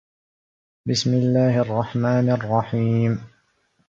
باسم الله الرحمان الرحيم